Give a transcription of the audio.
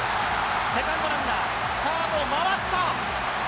セカンドランナー、サード回した。